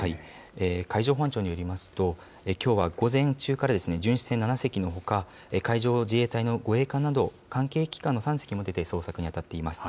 海上保安庁によりますと、きょうは午前中から巡視船７隻のほか、海上自衛隊の護衛艦など、関係機関の３隻も出て、捜索に当たっています。